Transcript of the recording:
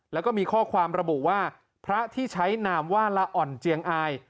แล้วก็มีข้อความระบุว่าพระที่ใช้นามว่าละอ่อนเจียงอาย